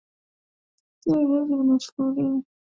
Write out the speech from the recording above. tia viazi kwenye sufuri au chungu